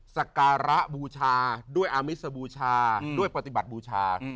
ศการะบูชาอมิสบูชาปฏิบัติบูชา